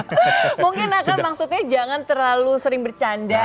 mungkin akan maksudnya jangan terlalu sering bercanda